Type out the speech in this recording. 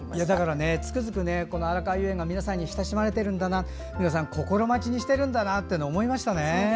だから、つくづくあらかわ遊園が皆さんに親しまれているんだな皆さん、心待ちにしてるんだなっていうのを思いましたね。